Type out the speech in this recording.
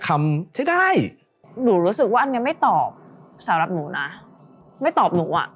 ที่ได้หนูรู้สึกว่าอันนี้ไม่ตอบสำหรับหนูนะไม่ตอบหนูอ่ะ